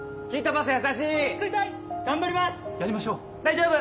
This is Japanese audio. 大丈夫！